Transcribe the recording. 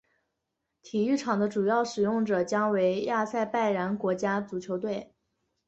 体育场的主要使用者将为亚塞拜然国家足球队。